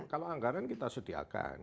kalau anggaran kita sediakan